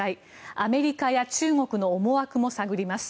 アメリカや中国の思惑も探ります。